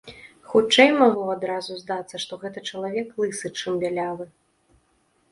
Хутчэй магло адразу здацца, што гэта чалавек лысы, чым бялявы.